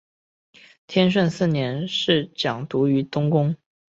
天顺四年侍讲读于东宫。